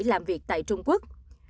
làm việc tại trung quốc